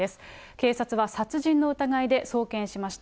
警察は殺人の疑いで送検しました。